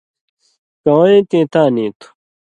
کوَیں تیں تاں نی تُھو